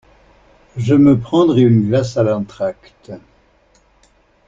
Je me prendrai une glace à l'entracte.